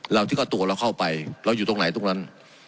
เราคิดว่าตัวเราเข้าไปเราอยู่ตรงไหนตรงนั้น